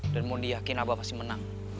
dan mau diyakin abah pasti menang